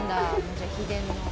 じゃあ秘伝の。